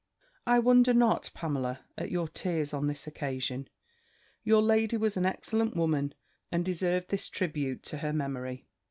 "I wonder not, Pamela, at your tears on this occasion. Your lady was an excellent woman, and deserved this tribute to her memory.